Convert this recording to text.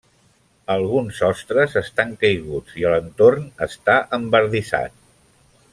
Alguns sostres estan caiguts i l'entorn està embardissat.